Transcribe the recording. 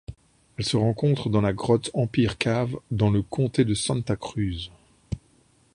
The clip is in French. Elle se rencontre dans la grotte Empire Cave dans le comté de Santa Cruz.